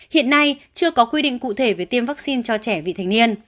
hiện nay chưa có quy định cụ thể về tiêm vaccine cho trẻ vị thành niên